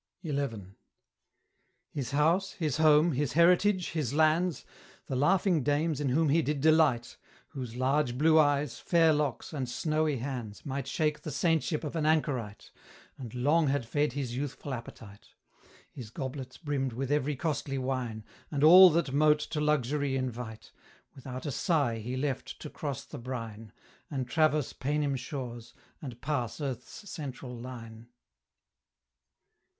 XI. His house, his home, his heritage, his lands, The laughing dames in whom he did delight, Whose large blue eyes, fair locks, and snowy hands, Might shake the saintship of an anchorite, And long had fed his youthful appetite; His goblets brimmed with every costly wine, And all that mote to luxury invite, Without a sigh he left to cross the brine, And traverse Paynim shores, and pass earth's central line.